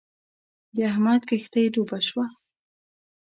د احمد کښتی ډوبه شوه.